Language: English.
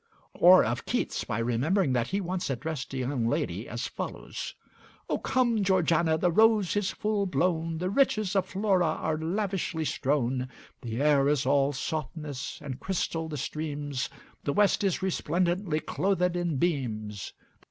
'" or of Keats by remembering that he once addressed a young lady as follows: "O come, Georgiana! the rose is full blown, The riches of Flora are lavishly strown: The air is all softness and crystal the streams, The west is resplendently clothèd in beams."